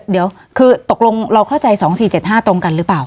เดี๋ยวคือตกลงเราเข้าใจ๒๔๗๕ตรงกันหรือเปล่า